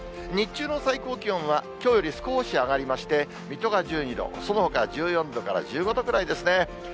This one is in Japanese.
日中の最高気温は、きょうより少し上がりまして、水戸が１２度、そのほかは１４度から１５度くらいですね。